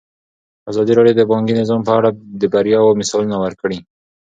ازادي راډیو د بانکي نظام په اړه د بریاوو مثالونه ورکړي.